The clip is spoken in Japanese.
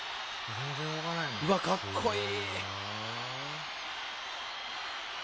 うわっかっこいい！